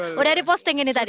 sudah diposting ini tadi